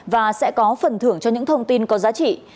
và sẽ có phần thưởng cho những thông tin có giá trị